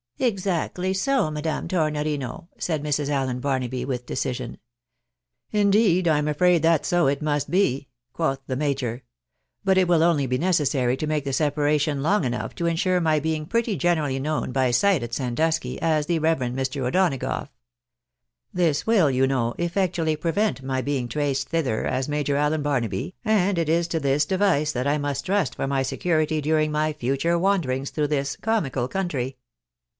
" Exactly so, Madame Tornorino," said Mrs. Allen Barnaby, ■with decision. " Indeed, I am afraid that so it must be," quoth the major ;" but it wUl only be necessary to make the separation long enough to insure my being pretty generally known by sight at Sandusky, as the Kev. Mr. O'Donagough. This will, you know, effectually prevent my being traced thither as Major AUen Barnaby, and it is to this device that I must trust for my security during my future wanderings through this comical country.